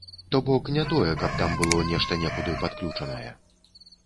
То бок, не тое, каб там было нешта некуды падключанае.